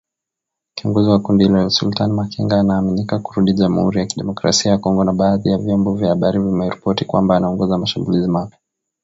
Kiongozi wa kundi hilo Sultani Makenga anaaminika kurudi Jamhuri ya Kidemokrasia ya Kongo na baadhi ya vyombo vya habari vimeripoti kwamba anaongoza mashambulizi mapya